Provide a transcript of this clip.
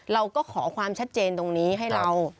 เราก็ขอความชัดเจนตรงนี้ให้เรา